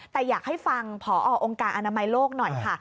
แต่อยากให้ฟังพอองค์การอนามัยโลกหน่อยค่ะ